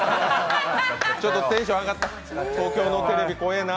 ちょっとテンション上がった、東京のテレビ怖えな。